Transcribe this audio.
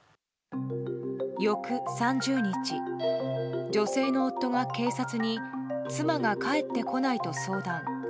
翌３０日、女性の夫が警察に妻が帰ってこないと相談。